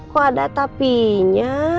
kok ada tapi nya